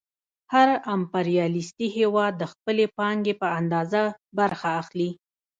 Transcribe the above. هر امپریالیستي هېواد د خپلې پانګې په اندازه برخه اخلي